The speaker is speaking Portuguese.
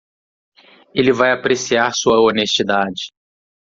Ele vai apreciar sua honestidade.